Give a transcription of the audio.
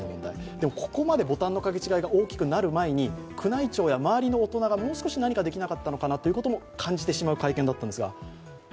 でも、ここまでボタンのかけ違いが大きくなる前に宮内庁や周りの大人がもう少し何かできなかったかなと感じてしまう会見だったんですが。